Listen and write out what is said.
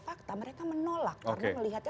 fakta mereka menolak karena melihatnya